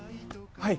はい。